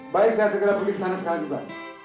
baik saya segera pergi ke sana sekali juga